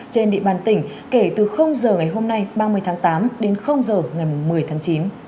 trên địa bàn tỉnh kể từ giờ ngày hôm nay ba mươi tháng tám đến giờ ngày một mươi tháng chín